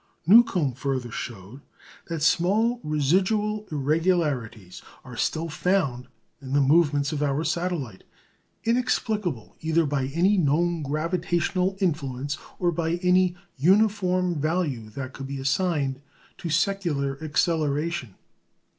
Newcomb further showed that small residual irregularities are still found in the movements of our satellite, inexplicable either by any known gravitational influence, or by any uniform value that could be assigned to secular acceleration.